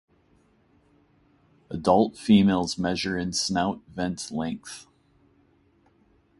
Adult females measure in snout–vent length.